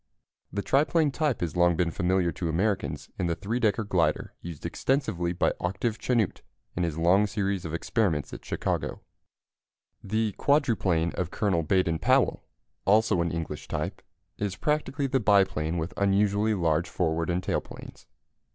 The triplane type has long been familiar to Americans in the three decker glider used extensively by Octave Chanute in his long series of experiments at Chicago. [Illustration: The Roe triplane in flight.] The quadruplane of Colonel Baden Powell, also an English type, is practically the biplane with unusually large forward and tail planes.